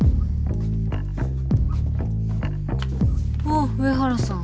あ上原さん。